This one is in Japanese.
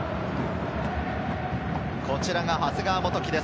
こちらが長谷川元希です。